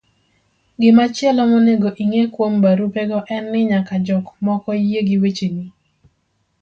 Gimachielo monego ing'e kuom barupego en ni nyaka jok moko yie gi wecheni